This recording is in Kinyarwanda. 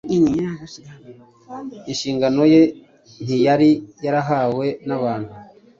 Inshingano ye ntiyari yarayihawe n’abantu